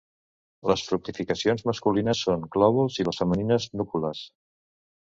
Les fructificacions masculines són glòbuls i les femenines núcules.